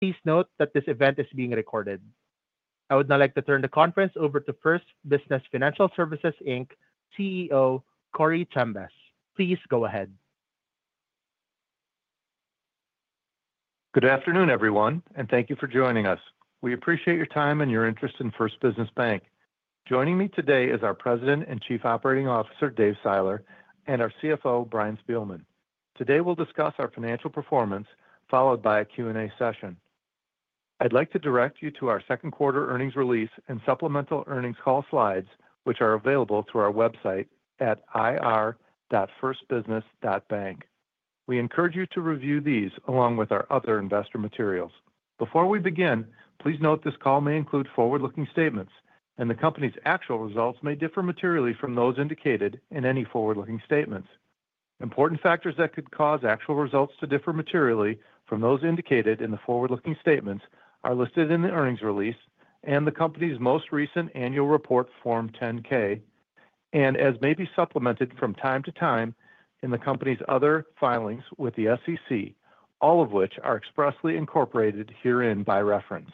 Please note that this event is being recorded. I would now like to turn the conference over to First Business Financial Services, Inc. CEO, Corey Chambas. Please go ahead. Good afternoon, everyone, and thank you for joining us. We appreciate your time and your interest in First Business Financial Services. Joining me today is our President and Chief Operating Officer, Dave Seiler, and our CFO, Brian Spielmann. Today, we'll discuss our financial performance, followed by a Q&A session. I'd like to direct you to our second quarter earnings release and supplemental earnings call slides, which are available on our website at ir.firstbusiness.bank. We encourage you to review these along with our other investor materials. Before we begin, please note this call may include forward-looking statements, and the company's actual results may differ materially from those indicated in any forward-looking statements. Important factors that could cause actual results to differ materially from those indicated in the forward-looking statements are listed in the earnings release and the company's most recent annual report, Form 10-K, and as may be supplemented from time to time in the company's other filings with the SEC, all of which are expressly incorporated herein by reference.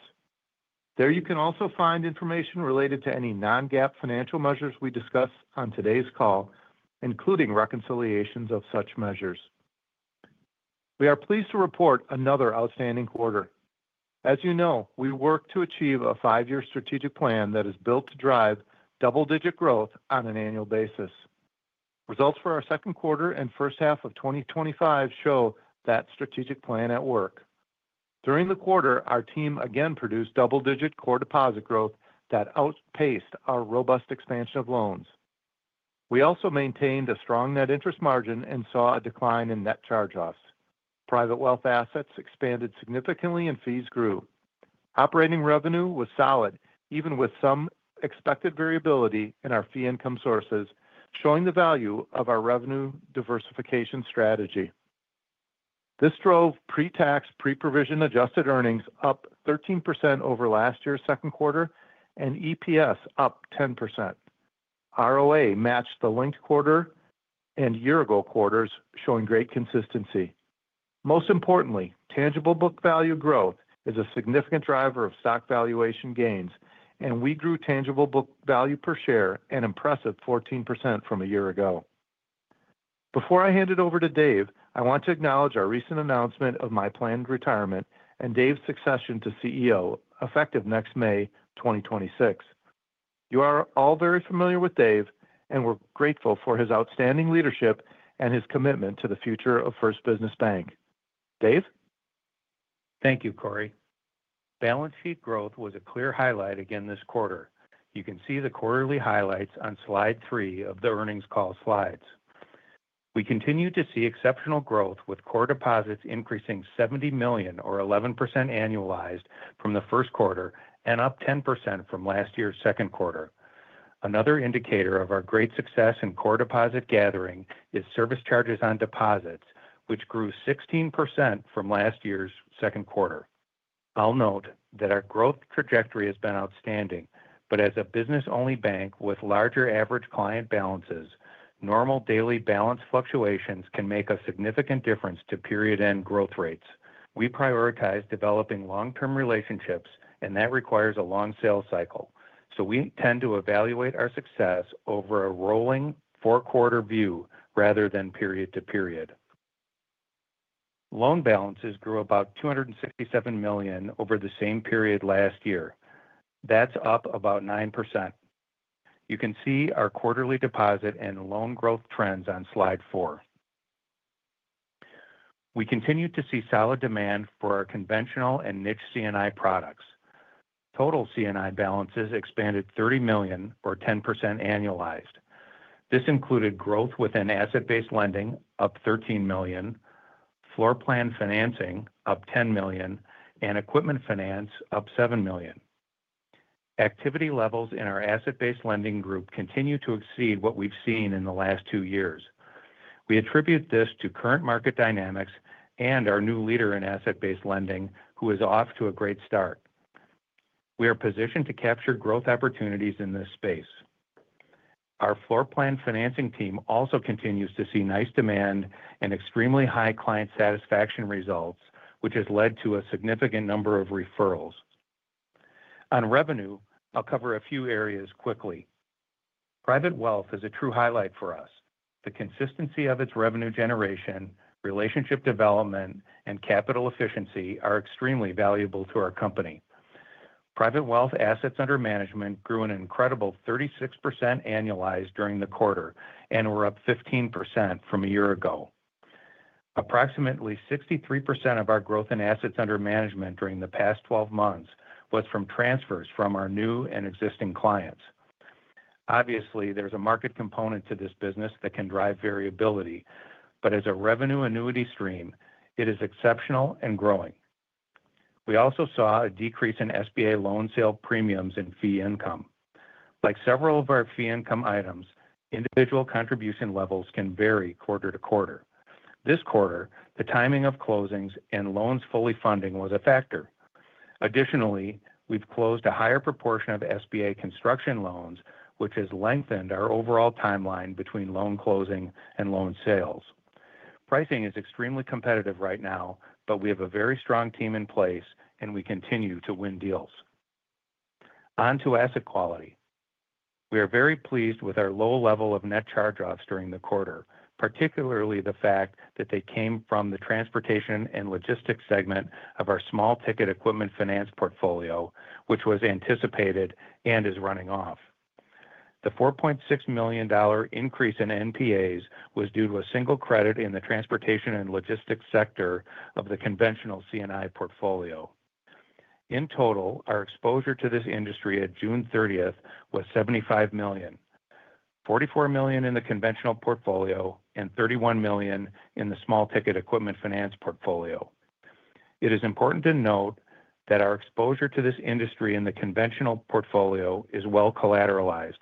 There you can also find information related to any non-GAAP financial measures we discuss on today's call, including reconciliations of such measures. We are pleased to report another outstanding quarter. As you know, we work to achieve a five-year strategic plan that is built to drive double-digit growth on an annual basis. Results for our second quarter and first half of 2025 show that strategic plan at work. During the quarter, our team again produced double-digit core deposit growth that outpaced our robust expansion of loans. We also maintained a strong net interest margin and saw a decline in net charge-offs. Private wealth assets expanded significantly and fees grew. Operating revenue was solid, even with some expected variability in our fee income sources, showing the value of our revenue diversification strategy. This drove pre-tax, pre-provision adjusted earnings up 13% over last year's second quarter and EPS up 10%. ROA matched the linked quarter and year-ago quarters, showing great consistency. Most importantly, tangible book value growth is a significant driver of stock valuation gains, and we grew tangible book value per share an impressive 14% from a year ago. Before I hand it over to Dave, I want to acknowledge our recent announcement of my planned retirement and Dave's succession to CEO, effective next May 2026. You are all very familiar with Dave, and we're grateful for his outstanding leadership and his commitment to the future of First Business Financial Services. Dave? Thank you, Corey. Balance sheet growth was a clear highlight again this quarter. You can see the quarterly highlights on slide 3 of the earnings call slides. We continue to see exceptional growth, with core deposits increasing $70 million, or 11% annualized, from the first quarter and up 10% from last year's second quarter. Another indicator of our great success in core deposit gathering is service charges on deposits, which grew 16% from last year's second quarter. I'll note that our growth trajectory has been outstanding, but as a business-only bank with larger average client balances, normal daily balance fluctuations can make a significant difference to period-end growth rates. We prioritize developing long-term relationships, and that requires a long sales cycle, so we tend to evaluate our success over a rolling four-quarter view rather than period-to-period. Loan balances grew about $267 million over the same period last year. That's up about 9%. You can see our quarterly deposit and loan growth trends on slide 4. We continue to see solid demand for our conventional and niche C&I products. Total C&I balances expanded $30 million, or 10% annualized. This included growth within asset-based lending, up $13 million, floor plan financing, up $10 million, and equipment finance, up $7 million. Activity levels in our asset-based lending group continue to exceed what we've seen in the last two years. We attribute this to current market dynamics and our new leader in asset-based lending, who is off to a great start. We are positioned to capture growth opportunities in this space. Our floor plan financing team also continues to see nice demand and extremely high client satisfaction results, which has led to a significant number of referrals. On revenue, I'll cover a few areas quickly. Private wealth is a true highlight for us. The consistency of its revenue generation, relationship development, and capital efficiency are extremely valuable to our company. Private wealth assets under management grew an incredible 36% annualized during the quarter and were up 15% from a year ago. Approximately 63% of our growth in assets under management during the past 12 months was from transfers from our new and existing clients. Obviously, there's a market component to this business that can drive variability, but as a revenue annuity stream, it is exceptional and growing. We also saw a decrease in SBA loan sale premiums and fee income. Like several of our fee income items, individual contribution levels can vary quarter to quarter. This quarter, the timing of closings and loans fully funding was a factor. Additionally, we've closed a higher proportion of SBA construction loans, which has lengthened our overall timeline between loan closing and loan sales. Pricing is extremely competitive right now, but we have a very strong team in place, and we continue to win deals. On to asset quality. We are very pleased with our low level of net charge-offs during the quarter, particularly the fact that they came from the transportation and logistics segment of our small ticket equipment finance portfolio, which was anticipated and is running off. The $4.6 million increase in NPAs was due to a single credit in the transportation and logistics sector of the conventional C&I portfolio. In total, our exposure to this industry at June 30 was $75 million, $44 million in the conventional portfolio, and $31 million in the small ticket equipment finance portfolio. It is important to note that our exposure to this industry in the conventional portfolio is well collateralized.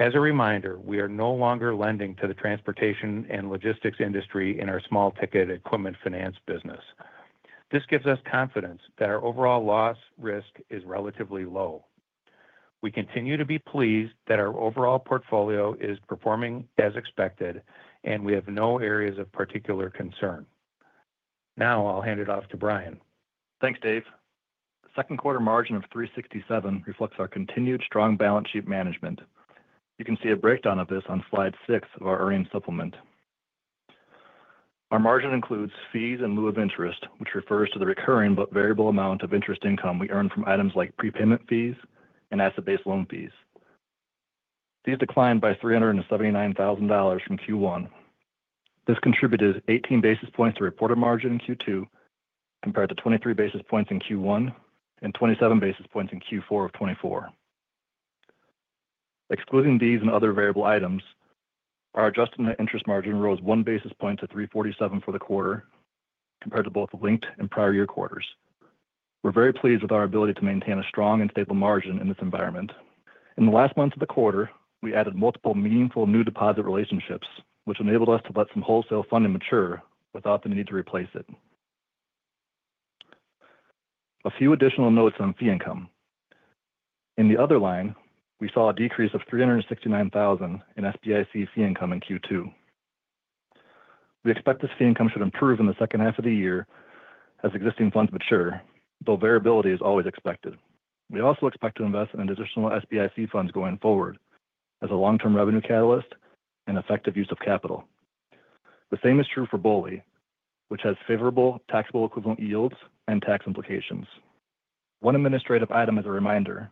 As a reminder, we are no longer lending to the transportation and logistics industry in our small ticket equipment finance business. This gives us confidence that our overall loss risk is relatively low. We continue to be pleased that our overall portfolio is performing as expected, and we have no areas of particular concern. Now, I'll hand it off to Brian. Thanks, Dave. The second quarter margin of 3.67% reflects our continued strong balance sheet management. You can see a breakdown of this on slide 6 of our earnings supplement. Our margin includes fees in lieu of interest, which refers to the recurring but variable amount of interest income we earn from items like prepayment fees and asset-based loan fees. These declined by $379,000 from Q1. This contributed 18 basis points to reported margin in Q2 compared to 23 basis points in Q1 and 27 basis points in Q4 of 2024. Excluding these and other variable items, our adjusted net interest margin rose one basis point to 3.47% for the quarter compared to both linked and prior year quarters. We're very pleased with our ability to maintain a strong and stable margin in this environment. In the last month of the quarter, we added multiple meaningful new deposit relationships, which enabled us to let some wholesale funding mature without the need to replace it. A few additional notes on fee income. In the other line, we saw a decrease of $369,000 in SBIC fee income in Q2. We expect this fee income should improve in the second half of the year as existing funds mature, though variability is always expected. We also expect to invest in additional SBIC funds going forward as a long-term revenue catalyst and effective use of capital. The same is true for BOLI, which has favorable taxable equivalent yields and tax implications. One administrative item is a reminder.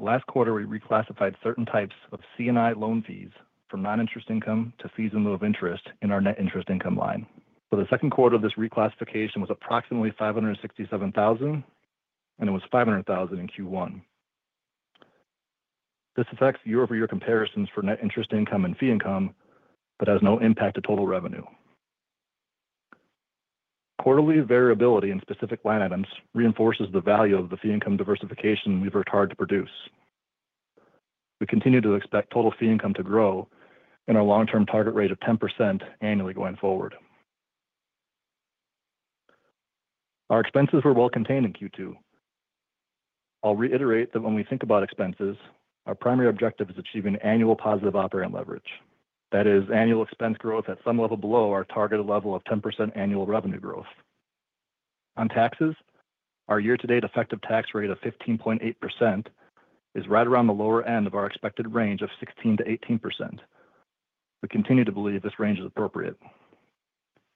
Last quarter, we reclassified certain types of C&I loan fees from non-interest income to fees in lieu of interest in our net interest income line. For the second quarter, this reclassification was approximately $567,000, and it was $500,000 in Q1. This affects year-over-year comparisons for net interest income and fee income, but has no impact to total revenue. Quarterly variability in specific line items reinforces the value of the fee income diversification we've worked hard to produce. We continue to expect total fee income to grow in our long-term target rate of 10% annually going forward. Our expenses were well contained in Q2. I'll reiterate that when we think about expenses, our primary objective is achieving annual positive operating leverage, that is, annual expense growth at some level below our target level of 10% annual revenue growth. On taxes, our year-to-date effective tax rate of 15.8% is right around the lower end of our expected range of 16%-18%. We continue to believe this range is appropriate.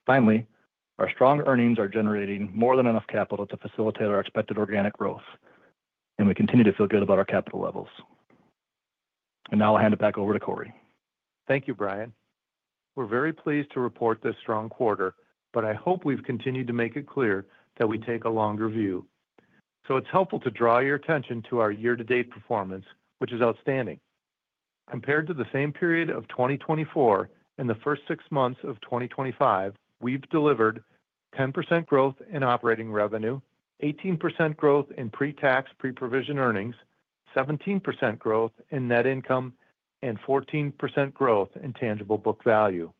Finally, our strong earnings are generating more than enough capital to facilitate our expected organic growth, and we continue to feel good about our capital levels. Now I'll hand it back over to Corey. Thank you, Brian. We're very pleased to report this strong quarter, and I hope we've continued to make it clear that we take a longer view. It's helpful to draw your attention to our year-to-date performance, which is outstanding. Compared to the same period of 2024 and the first six months of 2025, we've delivered 10% growth in operating revenue, 18% growth in pre-tax, pre-provision earnings, 17% growth in net income, and 14% growth in tangible book value.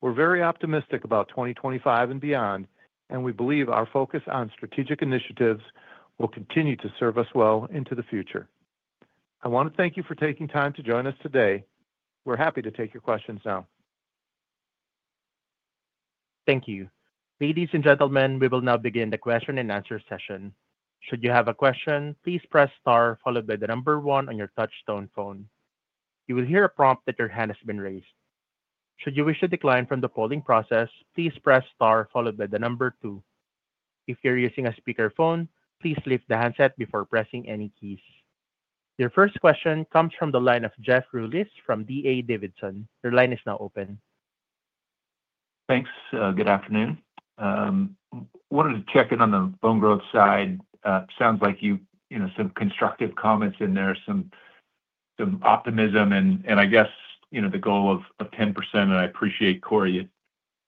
We're very optimistic about 2025 and beyond, and we believe our focus on strategic initiatives will continue to serve us well into the future. I want to thank you for taking time to join us today. We're happy to take your questions now. Thank you. Ladies and gentlemen, we will now begin the question and answer session. Should you have a question, please press star followed by the number one on your touch-tone phone. You will hear a prompt that your hand has been raised. Should you wish to decline from the polling process, please press star followed by the number two. If you're using a speakerphone, please lift the handset before pressing any keys. Your first question comes from the line of Jeff Rulis from D.A. Davidson. Your line is now open. Thanks. Good afternoon. I wanted to check in on the loan growth side. It sounds like you have some constructive comments in there, some optimism, and I guess the goal of 10%, and I appreciate, Corey,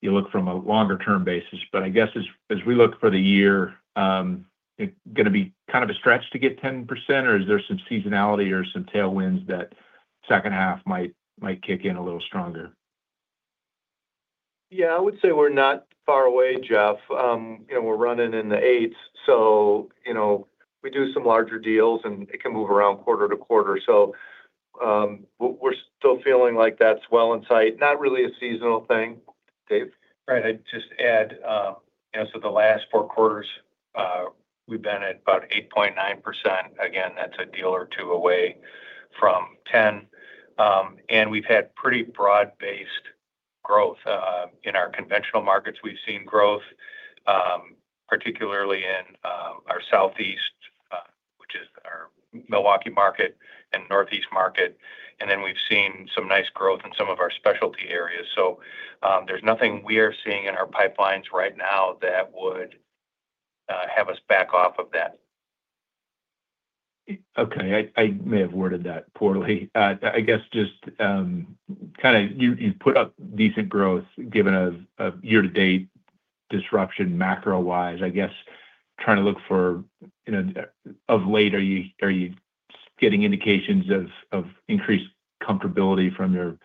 you look from a longer-term basis. I guess as we look for the year, it's going to be kind of a stretch to get 10%, or is there some seasonality or some tailwinds that the second half might kick in a little stronger? Yeah, I would say we're not far away, Jeff. You know, we're running in the eights, so you know we do some larger deals and it can move around quarter to quarter. We're still feeling like that's well in sight, not really a seasonal thing. Dave? Right. I'd just add, you know, the last four quarters, we've been at about 8.9%. Again, that's a deal or two away from 10%. We've had pretty broad-based growth. In our conventional markets, we've seen growth, particularly in our Southeast, which is our Milwaukee market, and Northeast market. We've seen some nice growth in some of our specialty areas. There's nothing we are seeing in our pipelines right now that would have us back off of that. Okay. I may have worded that poorly. I guess just kind of you've put up decent growth given a year-to-date disruption macro-wise. I guess trying to look for, you know, of late, are you getting indications of increased comfortability from your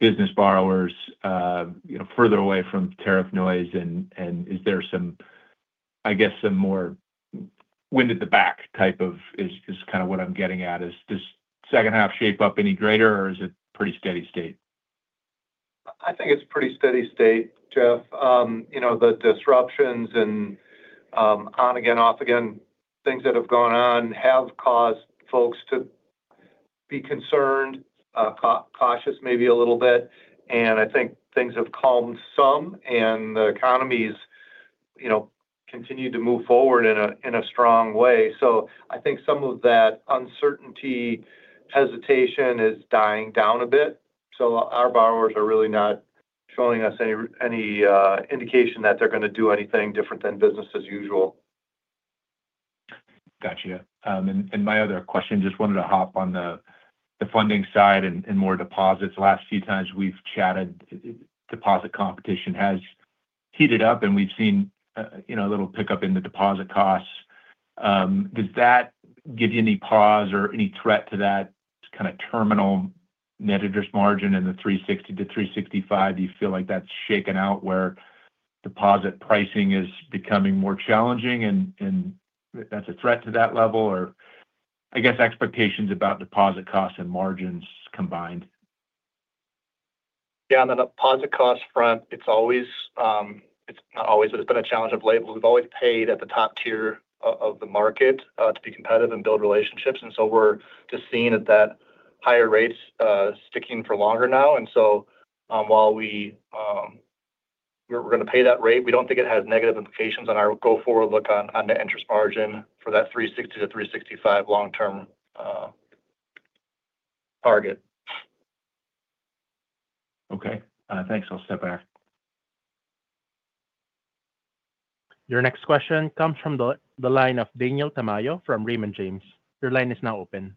business borrowers, you know, further away from tariff noise? Is there some, I guess, some more wind at the back type of is kind of what I'm getting at. Does second half shape up any greater, or is it a pretty steady state? I think it's a pretty steady state, Jeff. The disruptions and on-again, off-again things that have gone on have caused folks to be concerned, cautious maybe a little bit. I think things have calmed some, and the economies, you know, continue to move forward in a strong way. I think some of that uncertainty, hesitation is dying down a bit. Our borrowers are really not showing us any indication that they're going to do anything different than business as usual. Gotcha. My other question, just wanted to hop on the funding side and more deposits. The last few times we've chatted, deposit competition has heated up, and we've seen a little pickup in the deposit costs. Does that give you any pause or any threat to that kind of terminal net interest margin in the 360-365? Do you feel like that's shaken out where deposit pricing is becoming more challenging and that's a threat to that level? I guess expectations about deposit costs and margins combined? Yeah, on the deposit cost front, it's not always, but it's been a challenge of labor. We've always paid at the top tier of the market to be competitive and build relationships. We're just seeing that higher rates sticking for longer now. While we're going to pay that rate, we don't think it has negative implications on our go-forward look on net interest margin for that 360-365 long-term target. Okay, thanks. I'll step ahead. Your next question comes from the line of Daniel Tamayo from Raymond James. Your line is now open.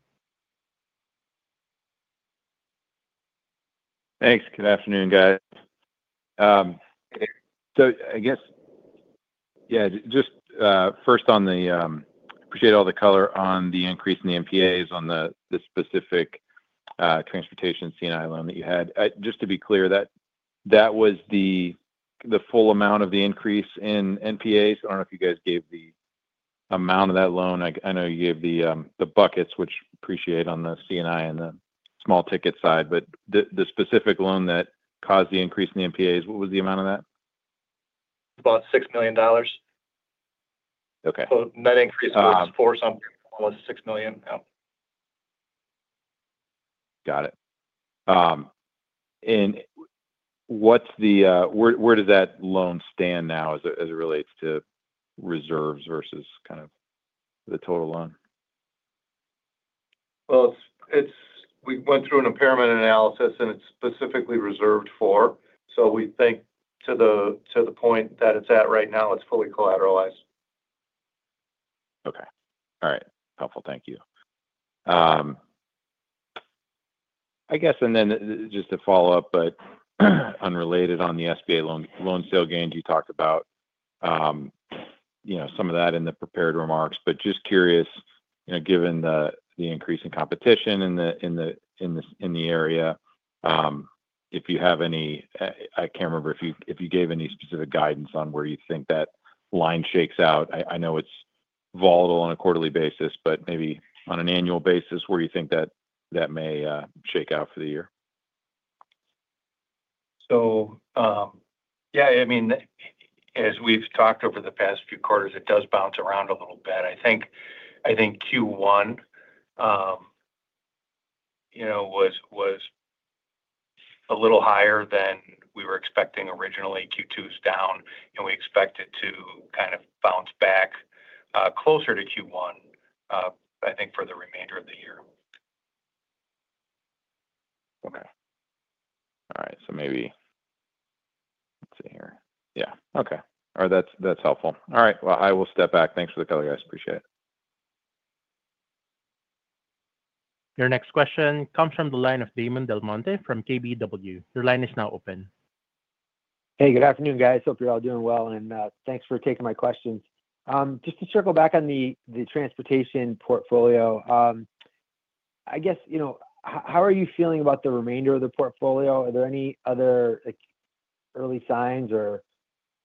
Thanks. Good afternoon, guys. I guess, just first, I appreciate all the color on the increase in the NPAs on the specific transportation C&I loan that you had. Just to be clear, that was the full amount of the increase in NPAs. I don't know if you guys gave the amount of that loan. I know you gave the buckets, which I appreciate, on the C&I and the small ticket side, but the specific loan that caused the increase in the NPAs, what was the amount of that? About $6 million. Okay. Net increase was $4-something, almost $6 million. Yeah. Got it. Where does that loan stand now as it relates to reserves versus kind of the total loan? We went through an impairment analysis, and it's specifically reserved for. We think to the point that it's at right now, it's fully collateralized. Okay. All right. Helpful. Thank you. I guess, just to follow up, but unrelated on the SBA loan sale gains, you talked about some of that in the prepared remarks. Just curious, given the increase in competition in the area, if you have any, I can't remember if you gave any specific guidance on where you think that line shakes out. I know it's volatile on a quarterly basis, but maybe on an annual basis, where do you think that may shake out for the year? As we've talked over the past few quarters, it does bounce around a little bit. I think Q1 was a little higher than we were expecting originally. Q2 is down, and we expect it to kind of bounce back closer to Q1 for the remainder of the year. Okay. All right. Maybe, let's see here. Okay. All right. That's helpful. I will step back. Thanks for the color, guys. Appreciate it. Your next question comes from the line of Damon DelMonte from KBW. Your line is now open. Hey, good afternoon, guys. Hope you're all doing well, and thanks for taking my questions. Just to circle back on the transportation portfolio, I guess, you know, how are you feeling about the remainder of the portfolio? Are there any other early signs or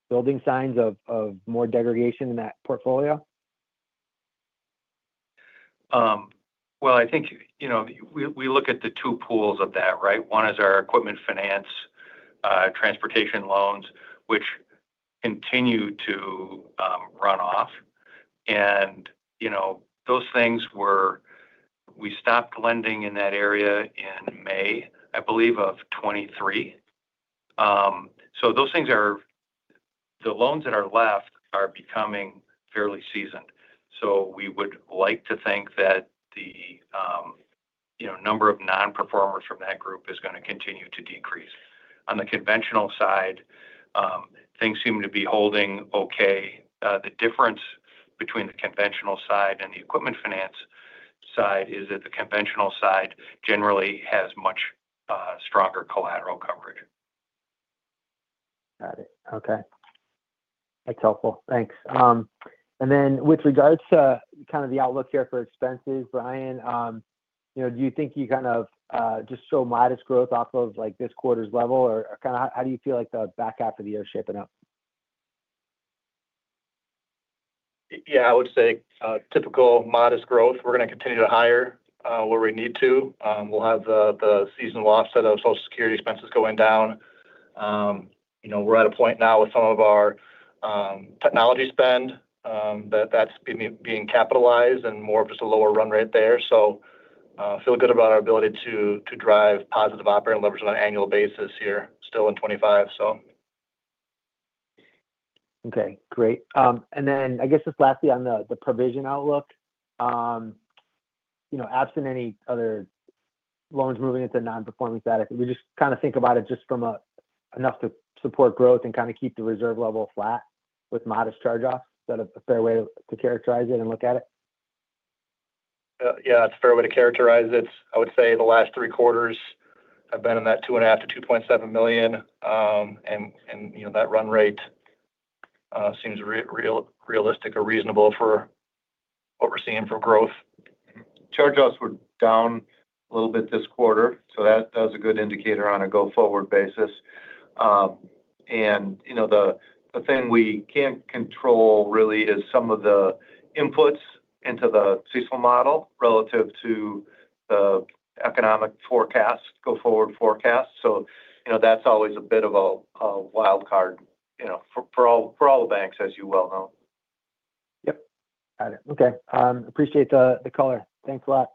building signs of more degradation in that portfolio? I think, you know, we look at the two pools of that, right? One is our equipment finance transportation loans, which continue to run off. You know, those things where we stopped lending in that area in May, I believe, of 2023. Those loans that are left are becoming fairly seasoned. We would like to think that the number of non-performers from that group is going to continue to decrease. On the conventional side, things seem to be holding okay. The difference between the conventional side and the equipment finance side is that the conventional side generally has much stronger collateral coverage. Got it. Okay, that's helpful. Thanks. With regards to the outlook here for expenses, Brian, do you think you just show modest growth off of this quarter's level, or how do you feel like the back half of the year is shaping up? Yeah, I would say typical modest growth. We're going to continue to hire where we need to. We'll have the seasonal offset of Social Security expenses going down. We're at a point now with some of our technology spend that that's being capitalized and more of just a lower run rate there. I feel good about our ability to drive positive operating leverage on an annual basis here still in 2025. Okay. Great. I guess just lastly on the provision outlook, you know, absent any other loans moving into non-performing status, if we just kind of think about it just from enough to support growth and kind of keep the reserve level flat with modest charge-offs, is that a fair way to characterize it and look at it? Yeah, that's a fair way to characterize it. I would say the last three quarters have been in that 2.5-$2.7 million, and that run rate seems realistic or reasonable for what we're seeing for growth. Charge-offs were down a little bit this quarter, so that is a good indicator on a go-forward basis. The thing we can't control really is some of the inputs into the CISL model relative to the economic forecast, go-forward forecast. That is always a bit of a wildcard, you know, for all the banks, as you well know. Yeah. Got it. Okay. Appreciate the color. Thanks a lot.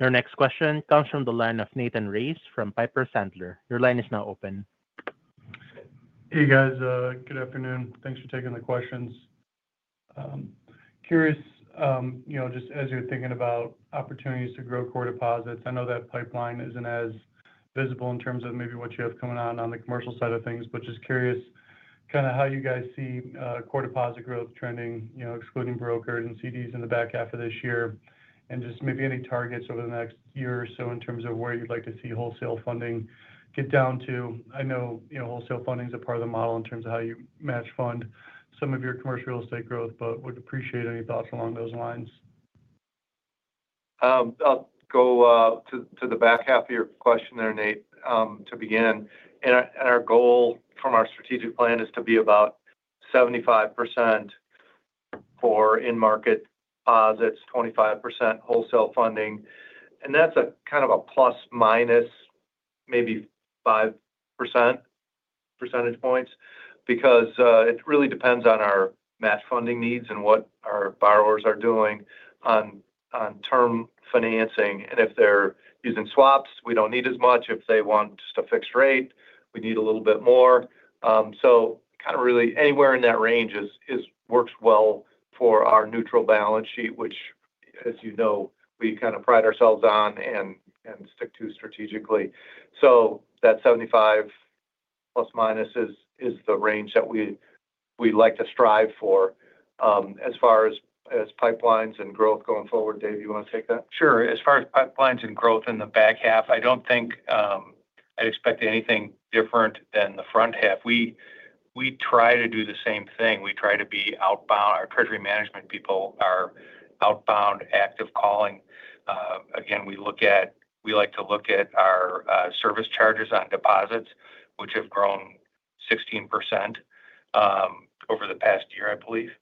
Your next question comes from the line of Nathan Race from Piper Sandler. Your line is now open. Hey, guys. Good afternoon. Thanks for taking the questions. Curious, just as you're thinking about opportunities to grow core deposits, I know that pipeline isn't as visible in terms of maybe what you have coming on the commercial side of things, but just curious kind of how you guys see core deposit growth trending, excluding brokerage and CDs in the back half of this year, and just maybe any targets over the next year or so in terms of where you'd like to see wholesale funding get down to. I know wholesale funding is a part of the model in terms of how you match fund some of your commercial real estate growth, but would appreciate any thoughts along those lines. I'll go to the back half of your question there, Nate, to begin. Our goal from our strategic plan is to be about 75% for in-market deposits, 25% wholesale funding. That's a kind of a plus minus maybe 5% percentage points because it really depends on our match funding needs and what our borrowers are doing on term financing. If they're using swaps, we don't need as much. If they want just a fixed rate, we need a little bit more. Really, anywhere in that range works well for our neutral balance sheet, which, as you know, we kind of pride ourselves on and stick to strategically. That 75± is the range that we like to strive for. As far as pipelines and growth going forward, Dave, you want to take that? Sure. As far as pipelines and growth in the back half, I don't think I'd expect anything different than the front half. We try to do the same thing. We try to be outbound. Our treasury management people are outbound, active calling. We like to look at our service charges on deposits, which have grown 16% over the past year, I believe.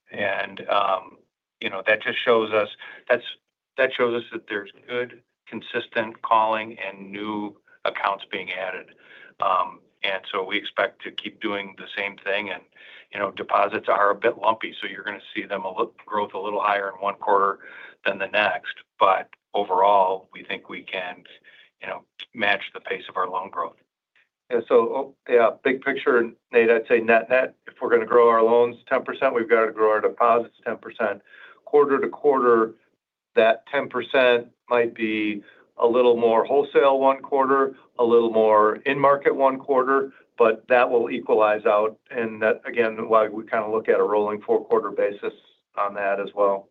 That just shows us that there's good, consistent calling and new accounts being added. We expect to keep doing the same thing. Deposits are a bit lumpy, so you're going to see them grow a little higher in one quarter than the next. Overall, we think we can match the pace of our loan growth. Yeah, big picture, Nate, I'd say net net, if we're going to grow our loans 10%, we've got to grow our deposits 10%. Quarter to quarter, that 10% might be a little more wholesale one quarter, a little more in-market one quarter, but that will equalize out. That, again, is why we kind of look at a rolling four-quarter basis on that as well.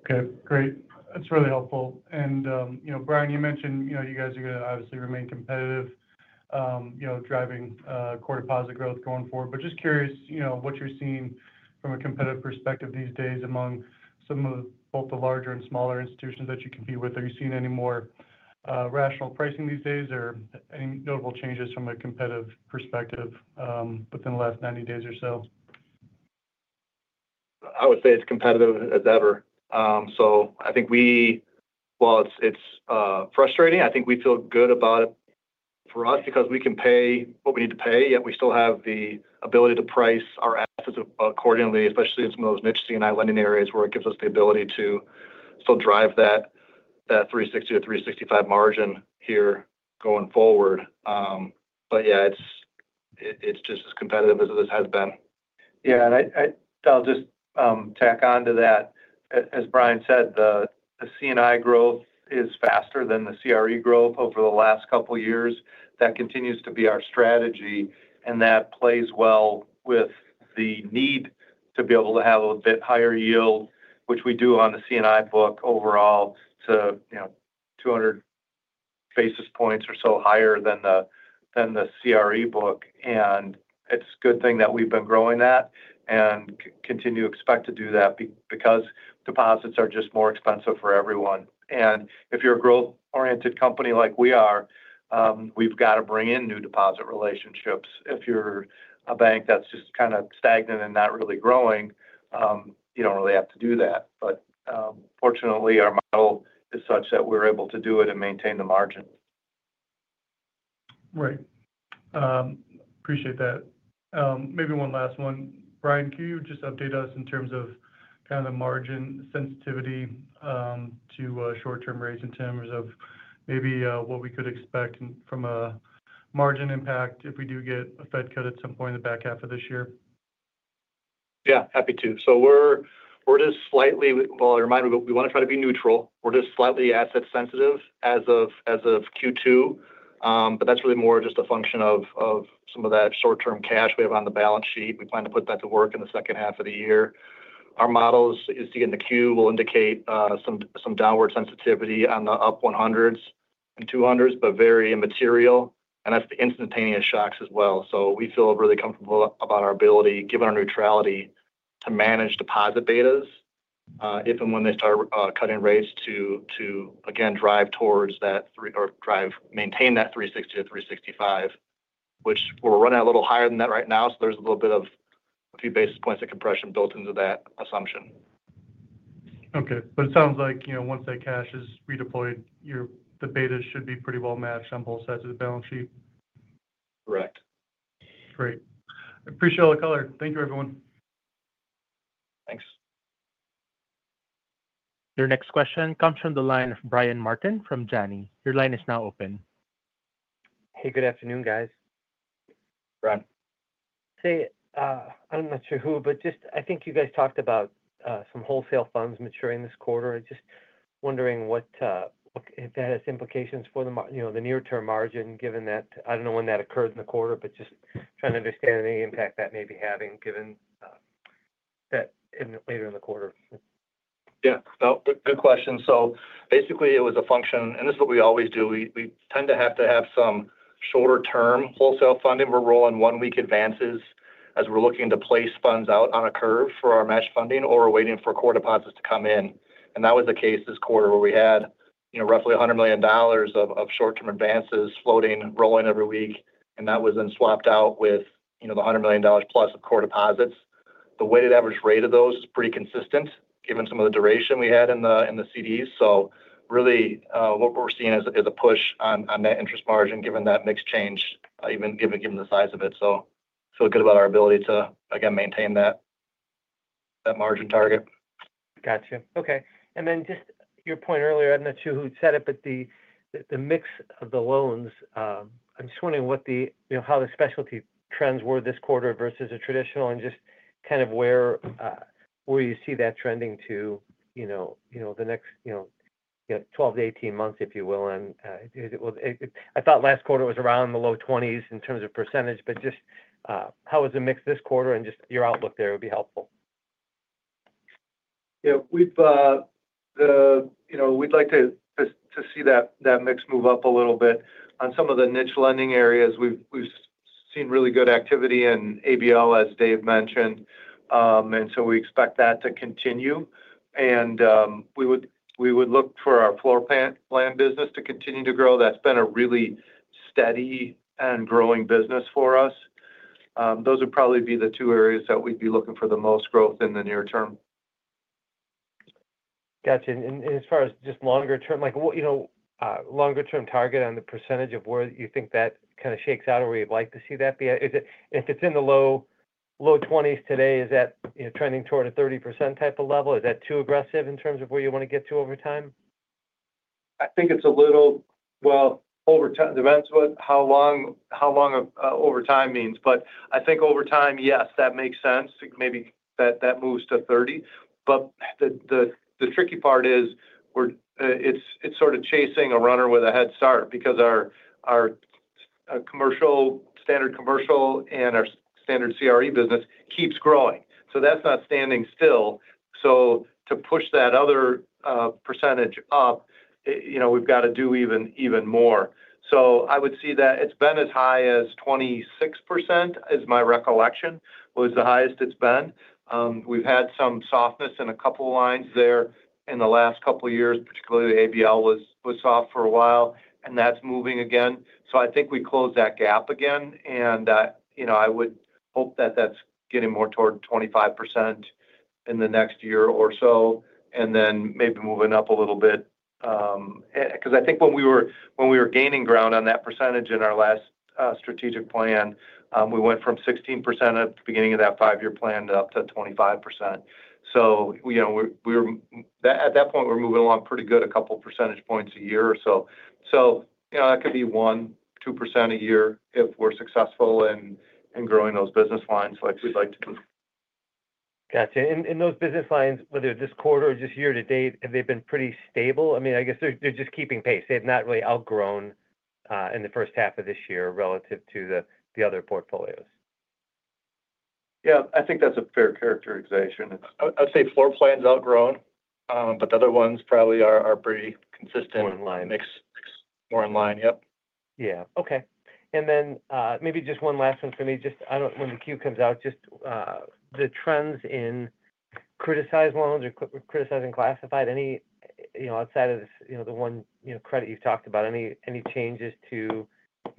Okay. Great. That's really helpful. Brian, you mentioned you guys are going to obviously remain competitive, driving core deposit growth going forward. Just curious, what you're seeing from a competitive perspective these days among some of both the larger and smaller institutions that you compete with? Are you seeing any more rational pricing these days or any notable changes from a competitive perspective within the last 90 days or so? I would say it's competitive as ever. I think we, while it's frustrating, feel good about it for us because we can pay what we need to pay, yet we still have the ability to price our assets accordingly, especially in some of those niche C&I lending areas where it gives us the ability to still drive that 360-365 margin here going forward. It's just as competitive as this has been. Yeah. I'll just tack on to that. As Brian said, the C&I growth is faster than the CRE growth over the last couple of years. That continues to be our strategy, and that plays well with the need to be able to have a bit higher yield, which we do on the C&I book overall, you know, 200 basis points or so higher than the CRE book. It's a good thing that we've been growing that and continue to expect to do that because deposits are just more expensive for everyone. If you're a growth-oriented company like we are, we've got to bring in new deposit relationships. If you're a bank that's just kind of stagnant and not really growing, you don't really have to do that. Fortunately, our model is such that we're able to do it and maintain the margin. Right. Appreciate that. Maybe one last one. Brian, can you just update us in terms of kind of the margin sensitivity to short-term rates, in terms of maybe what we could expect from a margin impact if we do get a Fed cut at some point in the back half of this year? Yeah, happy to. We're just slightly, I remind we want to try to be neutral. We're just slightly asset-sensitive as of Q2, but that's really more just a function of some of that short-term cash we have on the balance sheet. We plan to put that to work in the second half of the year. Our models you see in the queue will indicate some downward sensitivity on the up 100s and 200s, but very immaterial. That's the instantaneous shocks as well. We feel really comfortable about our ability, given our neutrality, to manage deposit betas if and when they start cutting rates to, again, drive towards that three or drive maintain that 360-365, which we're running a little higher than that right now. There's a little bit of a few basis points of compression built into that assumption. It sounds like, you know, once that cash is redeployed, the betas should be pretty well matched on both sides of the balance sheet. Correct. Great. I appreciate all the color. Thank you, everyone. Thanks. Your next question comes from the line of Brian Martin from Janney. Your line is now open. Hey, good afternoon, guys. Brian. I'm not sure who, but I think you guys talked about some wholesale funds maturing this quarter. I'm just wondering if that has implications for the near-term margin, given that I don't know when that occurred in the quarter. I'm just trying to understand any impact that may be having given that later in the quarter. Good question. Basically, it was a function, and this is what we always do. We tend to have to have some shorter-term wholesale funding. We're rolling one-week advances as we're looking to place funds out on a curve for our match funding or waiting for core deposits to come in. That was the case this quarter where we had roughly $100 million of short-term advances floating, rolling every week. That was then swapped out with the $100 million+ of core deposits. The weighted average rate of those is pretty consistent given some of the duration we had in the CDs. Really, what we're seeing is a push on net interest margin given that mixed change, even given the size of it. I feel good about our ability to, again, maintain that margin target. Gotcha. Okay. To your point earlier, I'm not sure who said it, but the mix of the loans. I'm just wondering what the, you know, how the specialty trends were this quarter versus traditional and just kind of where you see that trending to, you know, the next 12 to 18 months, if you will. I thought last quarter was around the low 20s in terms of percentage, but just how is the mix this quarter and just your outlook there would be helpful. Yeah. We'd like to see that mix move up a little bit. On some of the niche lending areas, we've seen really good activity in asset-based lending, as Dave mentioned. We expect that to continue, and we would look for our floor plan business to continue to grow. That's been a really steady and growing business for us. Those would probably be the two areas that we'd be looking for the most growth in the near term. As far as just longer-term, like, you know, longer-term target on the percentage of where you think that kind of shakes out or where you'd like to see that be, if it's in the low 20% today, is that, you know, trending toward a 30% type of level? Is that too aggressive in terms of where you want to get to over time? I think it's a little, over time, it depends how long over time means. I think over time, yes, that makes sense. Maybe that moves to 30%. The tricky part is it's sort of chasing a runner with a head start because our commercial, standard commercial, and our standard CRE business keeps growing. That's not standing still. To push that other percentage up, we've got to do even more. I would see that it's been as high as 26% is my recollection, was the highest it's been. We've had some softness in a couple of lines there in the last couple of years, particularly asset-based lending was soft for a while, and that's moving again. I think we close that gap again. I would hope that that's getting more toward 25% in the next year or so, and then maybe moving up a little bit. I think when we were gaining ground on that percentage in our last strategic plan, we went from 16% at the beginning of that five-year plan to up to 25%. At that point, we're moving along pretty good a couple of percentage points a year or so. That could be 1%, 2% a year if we're successful in growing those business lines like we'd like to. Gotcha. Those business lines, whether this quarter or just year to date, have they been pretty stable? I mean, I guess they're just keeping pace. They've not really outgrown in the first half of this year relative to the other portfolios. Yeah, I think that's a fair characterization. I'd say floor plan's outgrown, but the other ones probably are pretty consistent. More in line. Mix. More in line. Yeah. Yeah. Okay. Maybe just one last one for me. I don't know when the queue comes out, just the trends in criticized loans or criticized and classified, any, you know, outside of this, you know, the one, you know, credit you've talked about, any changes to,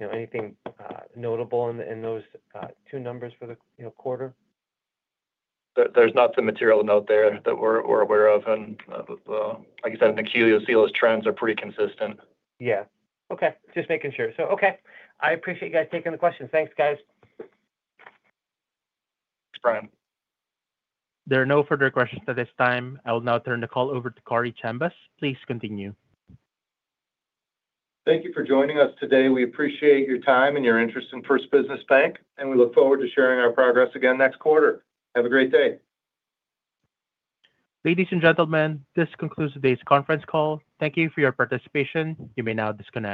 you know, anything notable in those two numbers for the quarter? There's nothing material to note there that we're aware of. Like I said, in the QEO seal, those trends are pretty consistent. Okay. I appreciate you guys taking the questions. Thanks, guys. Brian. There are no further questions at this time. I will now turn the call over to Corey Chambas. Please continue. Thank you for joining us today. We appreciate your time and your interest in First Business Financial Services, and we look forward to sharing our progress again next quarter. Have a great day. Ladies and gentlemen, this concludes today's conference call. Thank you for your participation. You may now disconnect.